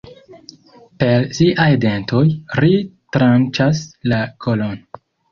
Per siaj dentoj, ri tranĉas la kolon.